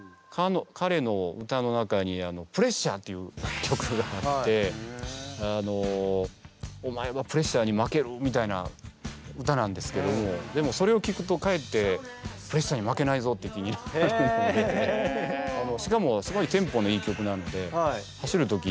かれの歌の中に「Ｐｒｅｓｓｕｒｅ」っていう曲があって「お前はプレッシャーに負ける」みたいな歌なんですけどもでもそれをきくとかえって「プレッシャーに負けないぞ」って気になるのでしかもすごいテンポのいい曲なので走る時にぴったりの。